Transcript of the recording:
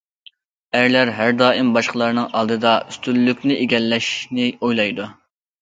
ئەرلەر ھەر دائىم باشقىلارنىڭ ئالدىدا ئۈستۈنلۈكنى ئىگىلەشنى ئويلايدۇ.